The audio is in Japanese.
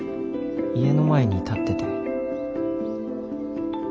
家の前に立ってて。